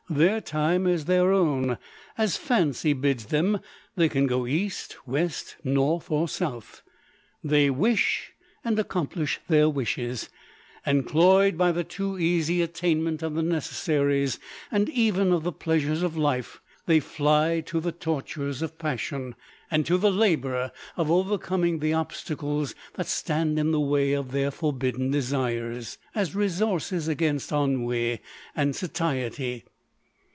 Their time is their own ; as fancy bids them, they can go east, west, north, or south ; they wish, and accomplish their wishes; and cloyed by the too easy attainment of the necessaries, and even of the pleasures of life, they fly to the tortures LODORE. 1G1 of passion, and to the labour of overcoming the obstacles that stand in the way of their for bidden desires, as resources against ennui and satiety.